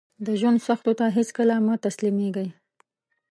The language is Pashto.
د ژوند سختیو ته هیڅکله مه تسلیمیږئ